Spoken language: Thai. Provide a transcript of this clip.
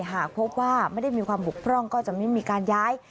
หากพบว่าไม่ได้มีความบกพร่องก็จะไม่มีการย้าย